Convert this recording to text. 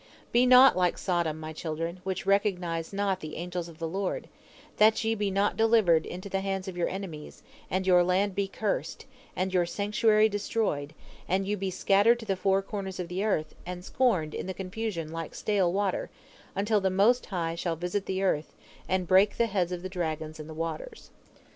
"Be not like Sodom, my children, which recognized not the angels of the Lord, that ye be not delivered into the hands of your enemies, and your land be cursed, and your sanctuary destroyed, and you be scattered to the four corners of the earth, and scorned in the confusion like stale water, until the Most High shall visit the earth, and break the heads of the dragons in the waters.